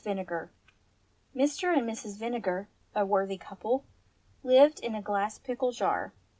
VINEGAR MR. and Mrs. Vinegar, a worthy couple, lived in a glass pickle jar.